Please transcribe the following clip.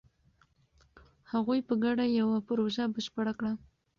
هغوی په ګډه یوه پروژه بشپړه کړه.